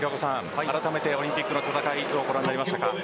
あらためてオリンピックの舞台はどうご覧になりますか。